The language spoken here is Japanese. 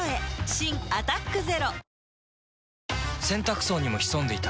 新「アタックＺＥＲＯ」洗濯槽にも潜んでいた。